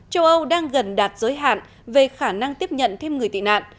châu âu đang gần đạt giới hạn về khả năng tiếp nhận thêm người tị nạn